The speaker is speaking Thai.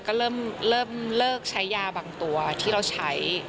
ก็เริ่มเลิกใช้ยาบางตัวที่เราใช้